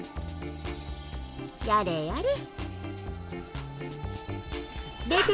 やれやれ。